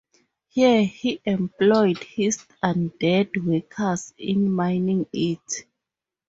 Here he employed his undead workers in mining it.